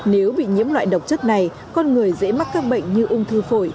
nếu bị nhiễm loại độc chất này con người dễ mắc các bệnh như ung thư phổi